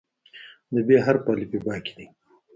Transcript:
د "ب" حرف په الفبا کې دی.